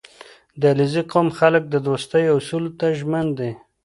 • د علیزي قوم خلک د دوستۍ اصولو ته ژمن دي.